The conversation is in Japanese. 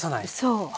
そう。